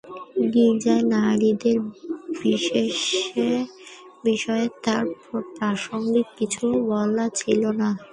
গির্জার নারীদের বিষয়ে তার প্রাসঙ্গিক কিছু বলার ছিল না।